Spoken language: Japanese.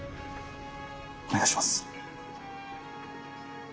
お願いします！